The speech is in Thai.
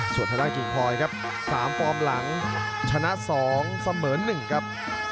ส่วนธนักกิงคลอยครับ๓ปองหลังชนะ๒เสมอ๑ครับ